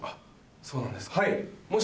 そうなんですか。